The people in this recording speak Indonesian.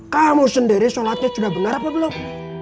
kamu sendiri sholatnya sudah benar apa belum